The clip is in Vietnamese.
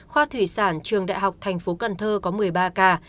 khoa thủy sản trường đại học tp cần thơ có một mươi ba ca